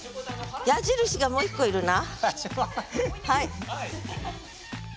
矢印がもう一個いるな。